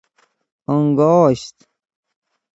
انگاشت